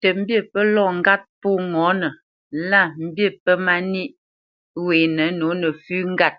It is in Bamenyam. Tə mbî pə́ lɔ ŋgàt pfó ŋɔ̌nə lâ mbî pə́ mà nîʼ wenə nǒ nəfʉ́ ŋgât.